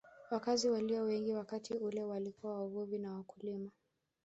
Wakazi walio wengi wakati ule walikuwa wavuvi na wakulima